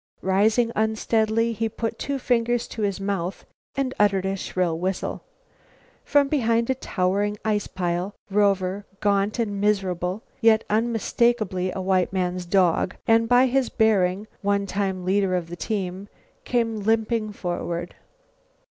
Rising unsteadily, he put two fingers to his mouth and uttered a shrill whistle. From behind a towering ice pile, Rover, gaunt and miserable yet unmistakably a white man's dog, and, by his bearing, a one time leader of the team, came limping toward him.